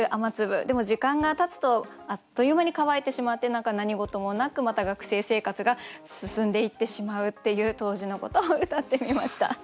でも時間がたつとあっという間に乾いてしまって何か何事もなくまた学生生活が進んでいってしまうっていう当時のことをうたってみました。